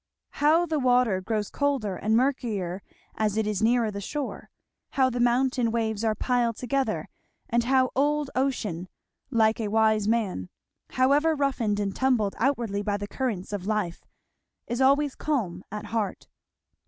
How the water grows colder and murkier as it is nearer the shore; how the mountain waves are piled together; and how old Ocean, like a wise man, however roughened and tumbled outwardly by the currents of Life, is always calm at heart.